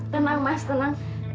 tenang mas tenang